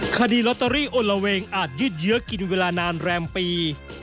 คดีลอตเตอรี่อนละเวงอาจยืดเยื้อกินเวลานานแรมปี